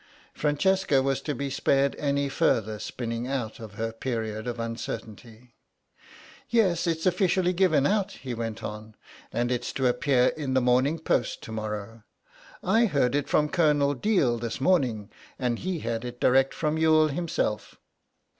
Francesca was to be spared any further spinning out of her period of uncertainty. "Yes, it's officially given out," he went on, "and it's to appear in the Morning Post to morrow. I heard it from Colonel Deel this morning, and he had it direct from Youghal himself.